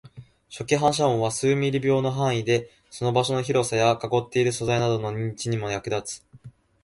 初期反射音は数ミリ秒の範囲で、その場所の広さや囲っている素材などの認知にも役立つ